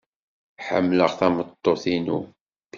Ḥemmleɣ tameṭṭut-inu.